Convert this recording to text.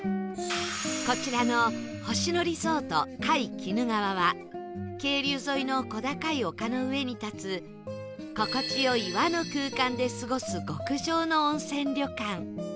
こちらの星野リゾート界鬼怒川は渓流沿いの小高い丘の上に立つ心地よい和の空間で過ごす極上の温泉旅館